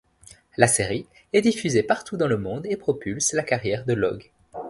La série est diffusée partout dans le monde et propulse la carrière de Logue.